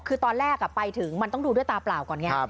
คือตอนแรกไปถึงมันต้องดูด้วยตาเปล่าก่อนไง